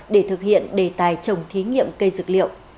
để thực hiện đề tài trồng thí nghiệm cây dược liệu